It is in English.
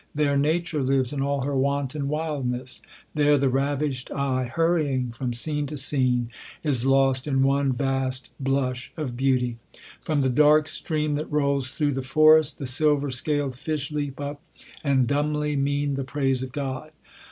There nature lives in all her wanton wildness. There the ravished eye, hurrying from scene to scene, is lost in one vast blush of beauty. From the dark stream that rolls through the forest, the silver scaled fish leap up, and dumbly mean the praise of God.